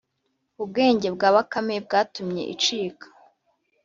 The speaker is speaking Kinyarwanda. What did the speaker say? ubwenge bwa bakame bwatumye icika